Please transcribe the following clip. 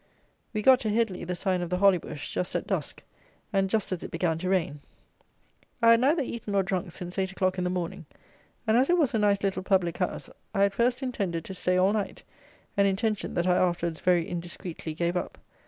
We got to Headly, the sign of the Holly Bush, just at dusk, and just as it began to rain. I had neither eaten nor drunk since eight o'clock in the morning; and as it was a nice little public house, I at first intended to stay all night, an intention that I afterwards very indiscreetly gave up.